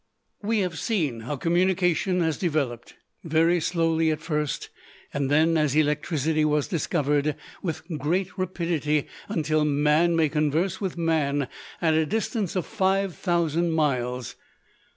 We have seen how communication has developed, very slowly at first, and then, as electricity was discovered, with great rapidity until man may converse with man at a distance of five thousand miles.